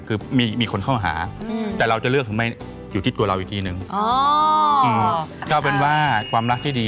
คือคุยแบบว่าเผื่อเลือกหลายขาอย่างเงี้ย